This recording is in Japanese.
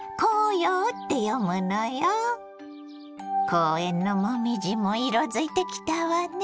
公園の紅葉も色づいてきたわね。